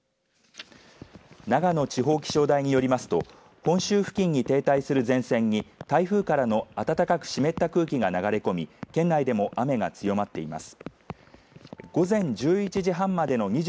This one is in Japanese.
長野地方気象台によりますと本州付近に停滞する前線に台風からの暖かく湿った空気が流れ込み県内でも雨が強まっています。